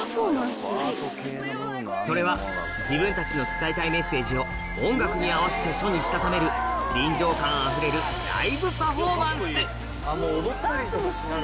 それは自分たちの伝えたいメッセージを音楽に合わせて書にしたためる臨場感あふれるは今年で１５回目うわ。